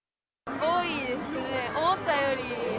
多いですね、思ったより。